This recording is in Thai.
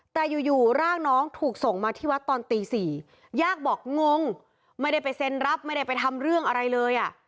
แต่อยู่ร่างน้องถูกส่งมาที่วัดตอนตี๔ญาติบอกงงไม่ได้ไปเซ็นรับไม่ได้ไปทำเรื่องอะไรเลยอ่ะ